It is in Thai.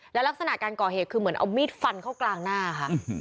แล้วลักษณะการก่อเหตุคือเหมือนเอามีดฟันเข้ากลางหน้าค่ะ